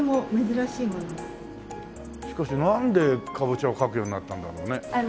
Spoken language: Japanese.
しかしなんでカボチャを描くようになったんだろうね。